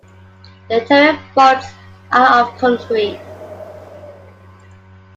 The interior vaults are of concrete.